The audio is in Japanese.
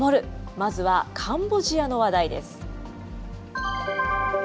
まずはカンボジアの話題です。